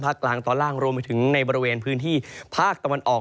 กลางตอนล่างรวมไปถึงในบริเวณพื้นที่ภาคตะวันออก